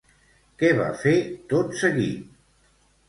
Què va fer tot seguit?